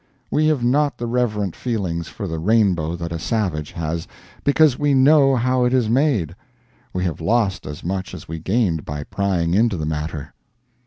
We have not the reverent feeling for the rainbow that a savage has, because we know how it is made. We have lost as much as we gained by prying into the matter.